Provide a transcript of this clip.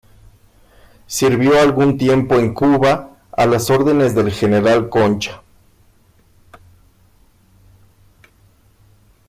Sirvió algún tiempo en Cuba, a las órdenes del general Concha.